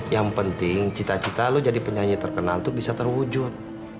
yang penting cita cita lo jadi penyanyi terkenal itu bisa terwujud